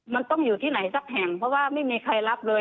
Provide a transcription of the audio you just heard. มันต้องอยู่ที่ไหนสักแห่งเพราะว่าไม่มีใครรับเลย